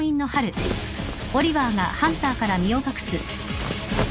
あっ。